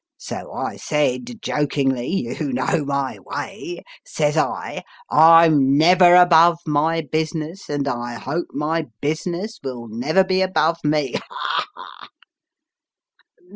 So I said, jokingly you know my way says I, I'm never above my business, and I hope my business will never be above me. Ha, ha